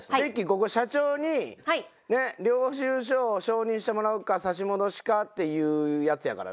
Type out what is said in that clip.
ここ社長にねっ領収書を承認してもらうか差し戻しかっていうやつやからね。